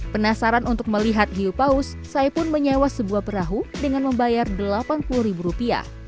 penasaran untuk melihat hiupaus saya pun menyewa sebuah perahu dengan membayar delapan puluh ribu rupiah